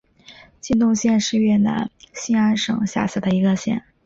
金洞县是越南兴安省下辖的一个县。